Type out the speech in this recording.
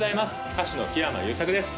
歌手の木山裕策です